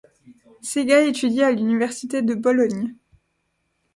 Sega étudie à l'université de Bologne.